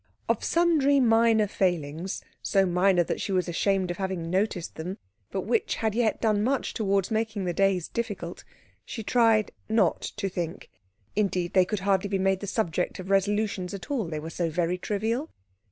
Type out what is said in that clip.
Of sundry minor failings, so minor that she was ashamed of having noticed them, but which had yet done much towards making the days difficult, she tried not to think. Indeed, they could hardly be made the subject of resolutions at all, they were so very trivial.